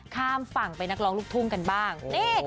ข้ามฝั่งไปนักร้องลูกทุ่งกันบ้าง